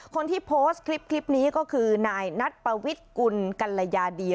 คนที่โพสต์คลิปนี้ก็คือนายนัทปวิทย์กุลกัลยาดี